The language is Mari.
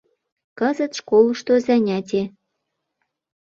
Кызыт школышто заняте.